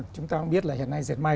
chúng ta cũng biết hiện nay dệt may